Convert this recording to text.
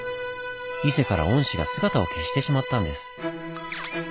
伊勢から御師が姿を消してしまったんです。